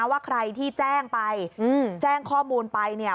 ว่าใครที่แจ้งไปแจ้งข้อมูลไปเนี่ย